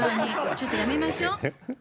ちょっとやめましょう。